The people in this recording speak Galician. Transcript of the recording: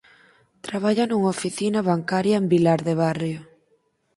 Traballa nunha oficina bancaria en Vilar de Barrio.